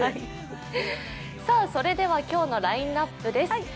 それでは今日のラインナップです。